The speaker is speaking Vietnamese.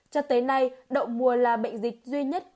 cho tới nay đậu mùa là bệnh dịch duy nhất